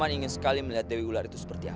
paman ingat sekali melihat dewi ular itu seperti apa